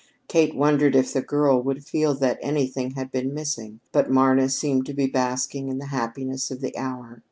Kate wondered if the girl would feel that anything had been missing, but Marna seemed to be basking in the happiness of the hour.